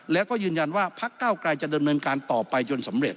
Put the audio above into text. แล้วก็ยืนยันว่าพักเก้าไกรจะดำเนินการต่อไปจนสำเร็จ